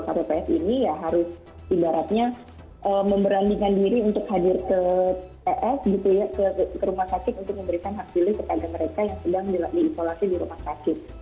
jadi ini ya harus ibaratnya memberanikan diri untuk hadir ke ps gitu ya ke rumah sakit untuk memberikan hak pilih kepada mereka yang sedang diisolasi di rumah sakit